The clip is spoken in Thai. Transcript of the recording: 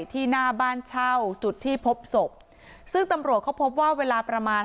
ที่หน้าบ้านเช่าจุดที่พบศพซึ่งตำรวจเขาพบว่าเวลาประมาณ